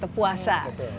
tapi saya ketes aja sih